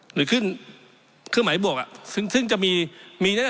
หรือขึ้นเครื่องหมายบวกซึ่งจะมีแน่นอน